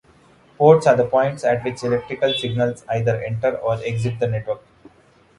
Ports are the points at which electrical signals either enter or exit the network.